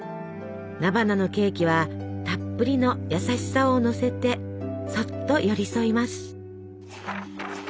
菜花のケーキはたっぷりの優しさをのせてそっと寄り添います。